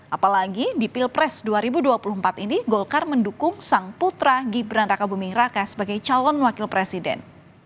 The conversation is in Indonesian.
apalagi di pilpres dua ribu dua puluh empat ini golkar mendukung sang putra gibran raka buming raka sebagai calon wakil presiden